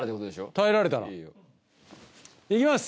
耐えられたらいいよいきます！